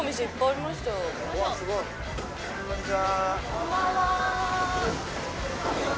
こんばんは。